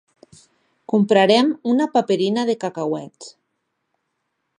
Comprarem una paperina de cacauets.